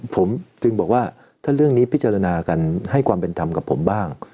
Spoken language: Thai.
ผมจึงบอกว่าถ้าเรื่องนี้พิจารณากันให้ความเป็นธรรมกับผมบ้าง